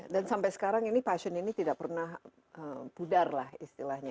dan sampai sekarang ini passion ini tidak pernah pudar lah istilahnya